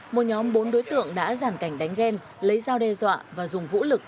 một nhóm bốn đối tượng đã giản cảnh đánh ghen lấy giao đe dọa và dùng vũ lực